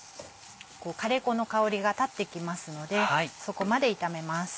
こうカレー粉の香りが立ってきますのでそこまで炒めます。